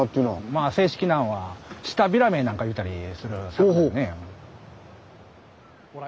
まあ正式なんはシタビラメなんか言うたりする魚ですね。